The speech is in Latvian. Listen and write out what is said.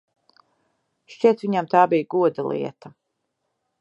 Šķiet, viņam tā bija goda lieta.